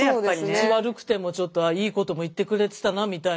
口悪くてもちょっといい言葉言ってくれてたなみたいな。